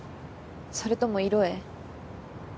それとも色営？